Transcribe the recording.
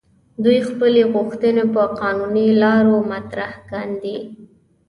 دوی خپلې غوښتنې په قانوني لارو مطرح کاندي.